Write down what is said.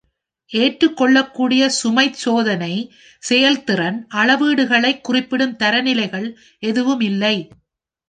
ஏற்றுக்கொள்ளக்கூடிய சுமை சோதனை செயல்திறன் அளவீடுகளைக் குறிப்பிடும் தரநிலைகள் எதுவும் இல்லை.